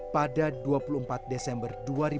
pada dua puluh empat desember dua ribu delapan belas